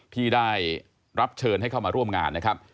ที่ได้รับเชิญให้เข้ามาร่วมงานนะครับ